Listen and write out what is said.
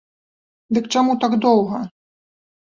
Дык чаму так доўга?